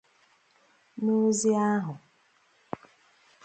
N'ozi ahụ